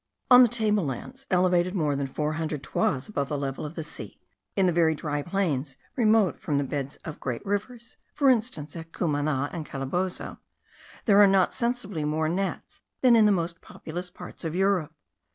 On the table lands elevated more than four hundred toises above the level of the ocean, in the very dry plains remote from the beds of great rivers (for instance, at Cumana and Calabozo), there are not sensibly more gnats than in the most populous parts of Europe.